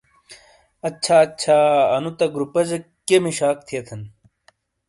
اچھا اچھا، انو تہ گروپہ جہ کئیے مشاک تھیے تھان؟